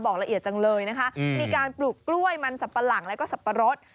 ละเอียดจังเลยนะคะมีการปลูกกล้วยมันสับปะหลังแล้วก็สับปะรด